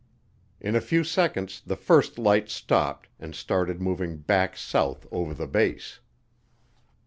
In a few seconds the first light stopped and started moving back south over the base.